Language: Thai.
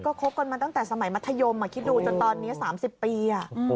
คบกันมาตั้งแต่สมัยมัธยมคิดดูจนตอนนี้๓๐ปี